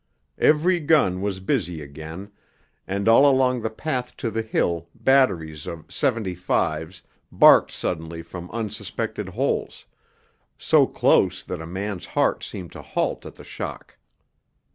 Every gun was busy again, and all along the path to the hill batteries of 'seventy fives' barked suddenly from unsuspected holes, so close that a man's heart seemed to halt at the shock.